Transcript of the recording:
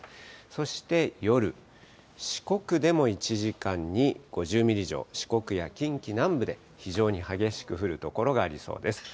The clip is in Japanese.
そして夜、四国でも１時間に５０ミリ以上、四国や近畿南部で非常に激しく降る所がありそうです。